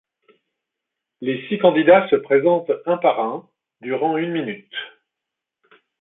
Les six candidats se présentent un par un, durant une minute.